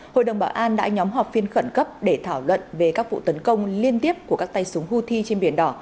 hội đồng bảo an đã nhóm họp phiên khẩn cấp để thảo luận về các vụ tấn công liên tiếp của các tay súng houthi trên biển đỏ